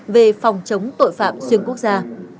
về phòng chống tội phạm xương quốc gia